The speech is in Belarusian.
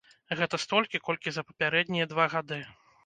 Гэта столькі, колькі за папярэднія два гады.